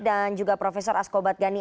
dan juga profesor asko badgani